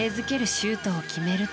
シュートを決めると。